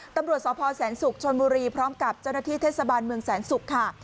ตำรวจสพแสนศุกร์ชนบุรีพร้อมกับเจ้าหน้าที่เทศบาลเมืองแสนศุกร์ค่ะ